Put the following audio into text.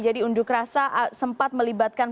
jadi unjuk rasa sempat melibatkan